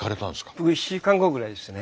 僕１週間後ぐらいですね。